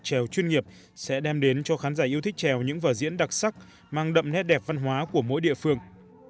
trèo chuyên nghiệp sẽ đem đến cho khán giả yêu thích trèo những vở diễn đặc sắc mang đậm nét đẹp văn hóa của mỗi địa phương